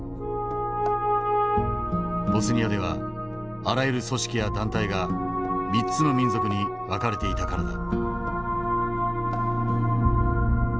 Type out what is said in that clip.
ボスニアではあらゆる組織や団体が３つの民族に分かれていたからだ。